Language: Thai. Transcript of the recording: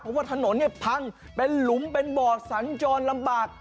เพราะว่าถนนเนี่ยพังเป็นหลุมเป็นบ่อสัญจรลำบาก